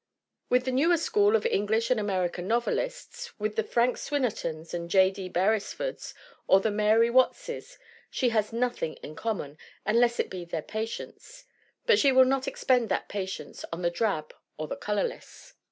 With the newer school of English and American novelists, with the Frank Swinnertons, the J. D. Beresfords, or the Mary Wattses, she has nothing in common, unless it be their patience. But she will not expend that patience on the drab or the colorless.